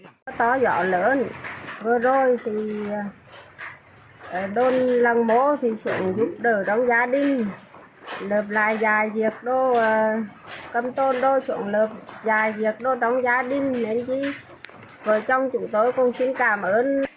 nước lũ lớn vừa rồi thì đôn lòng bố thì sử dụng đồ đóng gia đình lợp lại dài việc đô cầm tôn đô sử dụng lợp dài việc đô đóng gia đình